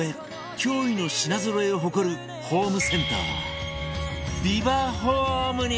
驚異の品ぞろえを誇るホームセンタービバホームに